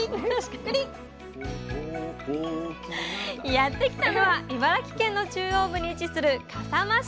やってきたのは茨城県の中央部に位置する笠間市。